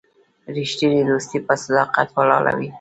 رښتینی دوستي په صداقت ولاړه وي.